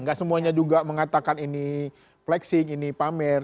gak semuanya juga mengatakan ini flexing ini pamer